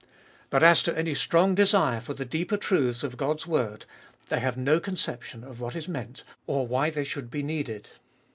But as to any strong desire for the deeper truths of God's word — they have no conception of what is meant, or why they should be needed.